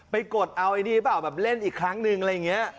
กดเอาไอ้ดีเปล่าแบบเล่นอีกครั้งหนึ่งอะไรอย่างนี้